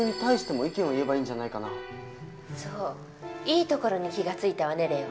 いいところに気が付いたわね礼央。